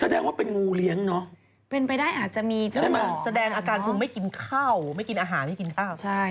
แสดงว่าเป็นงูเลี้ยงเนอะ